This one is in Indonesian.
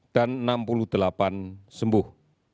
dan enam puluh delapan sembuh